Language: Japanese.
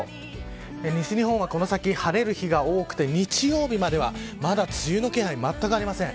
西日本はこの先晴れる日が多くて、日曜日まではまだ梅雨の気配、まったくありません。